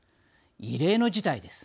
異例の事態です。